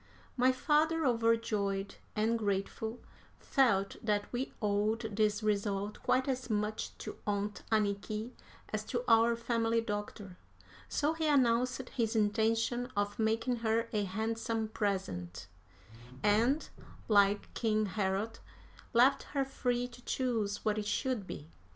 My father, overjoyed and grateful, felt that we owed this result quite as much to Aunt Anniky as to our family doctor, so he announced his intention of making her a handsome present, and, like King Herod, left her free to choose what it should be.